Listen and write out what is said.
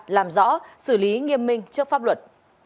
làm rõ xử lý nghiêm minh trước pháp luật